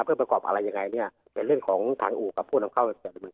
เพื่อประกอบอะไรอย่างไรเป็นเรื่องของทางอู่กับผู้นำเข้า